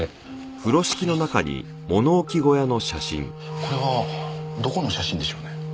これはどこの写真でしょうね？